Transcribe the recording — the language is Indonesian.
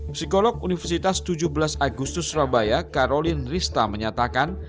psikolog universitas tujuh belas agustus surabaya karolin rista menyatakan